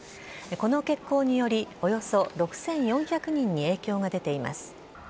この欠航によりおよそ６４００人に影響が出ています。